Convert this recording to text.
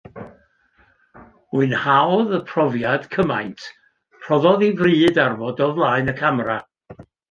Mwynhaodd y profiad, cymaint, rhoddodd ei fryd ar fod o flaen y camera.